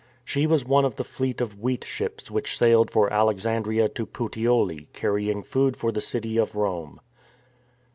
Sh6 was one of the fleet of wheat ships which sailed for Alexandria to PuteoH carrying food for the city of Rome.